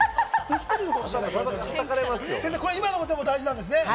今の手も大事なんですね。